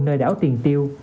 nơi đảo tiền tiêu